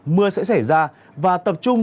mưa sẽ xảy ra và tập trung